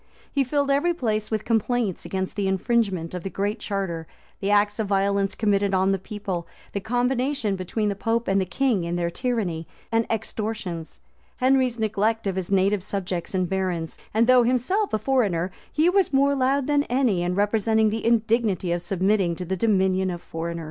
He filled every place with complaints against the infringement of the Great Charter, the acts of violence committed on the people, the combination between the pope and the king in their tyranny and extortions, Henry's neglect of his native subjects and barons; and though himself a foreigner, he was more loud than any in representing the indignity of submitting to the dominion of foreigners.